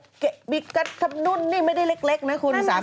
โอ๊ะเกะบีกระต์ตะดุ่นนี่ไม่ได้เล็กนะคุณ